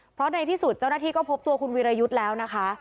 เพราะในที่สุดเจ้าหน้าที่ก็พบตัวคุณวีรยุทธ์แล้วนะคะ